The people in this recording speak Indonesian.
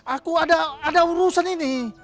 aku ada urusan ini